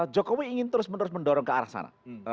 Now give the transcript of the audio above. jokowi ingin terus menerus mendorong ke arah sana